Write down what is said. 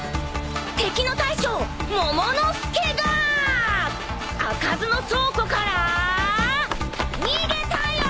敵の大将モモの助が開かずの倉庫から逃げたよ！